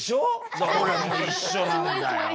だから俺も一緒なんだよ。